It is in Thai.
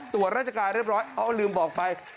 ตรวจร่างกายเรียบร้อยเอาลืมบอกไป